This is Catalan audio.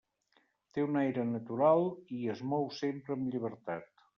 Té un aire natural i es mou sempre amb llibertat.